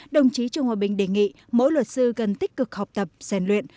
đồng chí trương hòa bình đề nghị mỗi luật sư cần tích cực học tập giàn luyện